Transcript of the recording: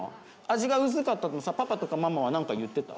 味が薄かったことさパパとかママは何か言ってた？